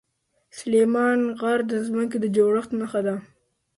سلیمان غر د ځمکې د جوړښت نښه ده.